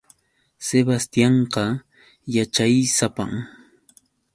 Sebastianqa yaćhaysapam.